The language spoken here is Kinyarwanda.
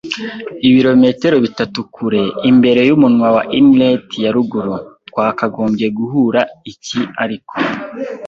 Ibirometero bitatu kure, imbere yumunwa wa Inlet ya ruguru, twakagombye guhura iki ariko